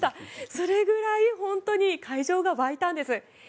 それぐらい会場が沸いたんです。